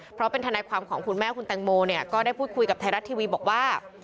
เพราะเป็นทนายความของคุณแม่คุณแตงโมเนี่ยก็ได้พูดคุยกับไทยรัฐทีวีบอกว่า